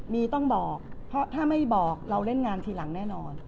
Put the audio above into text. มีต้องบอกเพราะถ้าไม่บอกเราเล่นงานทีหลังแน่นอน